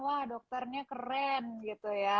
wah dokternya keren gitu ya